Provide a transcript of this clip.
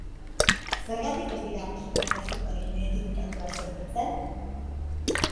Zergatik ez dira musika klasikoarekin identifikatuak sentitzen?